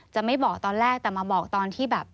จะไม่บอกตอนแรกแต่มาบอกตอนที่แบบ